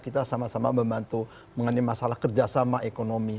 kita sama sama membantu mengenai masalah kerjasama ekonomi